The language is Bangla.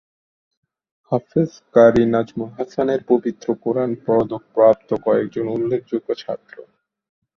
হাফেজ ক্বারী নাজমুল হাসানের পবিত্র কোরআন পদক প্রাপ্ত কয়েকজন উল্লেখযোগ্য ছাত্র।